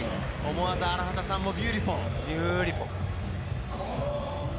思わず荒畑さんもビューティフルと。